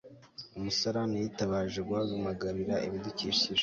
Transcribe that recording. umusarani yitabaje guhamagarira ibidukikije